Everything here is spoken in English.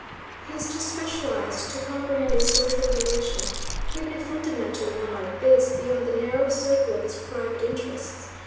He is too specialized to comprehend a social relation, even a fundamental one like this, beyond the narrow circle of his private interests.